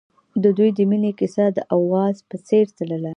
د دوی د مینې کیسه د اواز په څېر تلله.